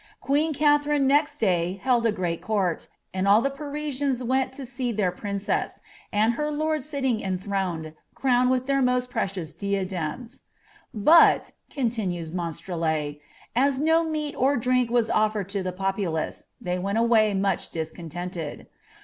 Queen Ku ilierine next day held a ^real eoiiri, ajid all the Parisians went to see llieir princess, and her lord silting enthroned, crowned with their moat precious diadems ; but," cuiiiinues Monstrelet, ■ as no meat or drink was otibred to the populace, they weni away much discontented.